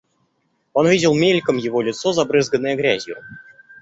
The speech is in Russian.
Он видел мельком его лицо, забрызганное грязью.